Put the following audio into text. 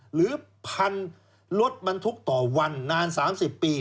หรือ๑๐๐๐ลดบันทุกข์ต่อวันนาน๓๐ปี